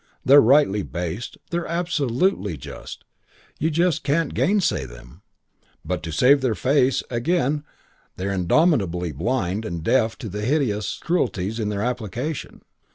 They're rightly based, they're absolutely just, you can't gainsay them, but to save their face, again, they're indomitably blind and deaf to the hideous cruelties in their application.